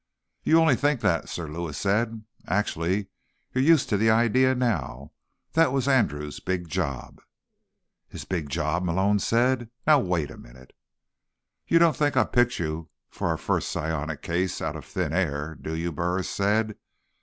"You only think that," Sir Lewis said. "Actually, you're used to the idea now. That was Andrew's big job." "His big job?" Malone said. "Now, wait a minute—" "You don't think I picked you for our first psionics case out of thin air, do you?" Burris said.